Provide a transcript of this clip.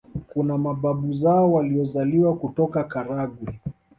Kuna mababu zao waliozaliwa kutoka Karagwe